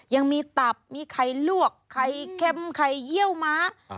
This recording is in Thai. ยังมีตับมีไข่ลวกไข่เค็มไข่เยี่ยวม้า